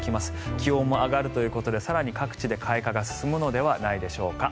気温も上がるということで更に各地で開花が進むのではないでしょうか。